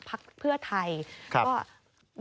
ขอบคุณครับ